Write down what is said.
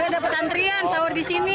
saya dapat antrian sahur disini